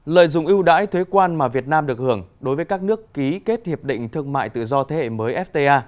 lợi dụng ưu đãi thuế quan mà việt nam được hưởng đối với các nước ký kết hiệp định thương mại tự do thế hệ mới fta